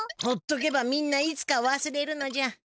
ほっとけばみんないつかわすれるのじゃ。